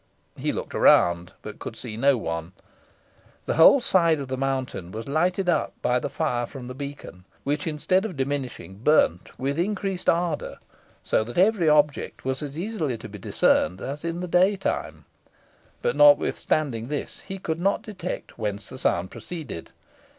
He looked around, but could see no one. The whole side of the mountain was lighted up by the fire from the beacon, which, instead of diminishing, burnt with increased ardour, so that every object was as easily to be discerned as in the day time; but, notwithstanding this, he could not detect whence the sound proceeded.